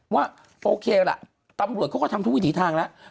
ว่าโอเคล่ะตำรวจเขาก็ทำทุกวิถีทางแล้ว